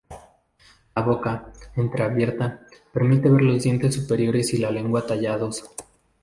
La boca, entreabierta, permite ver los dientes superiores y la lengua tallados.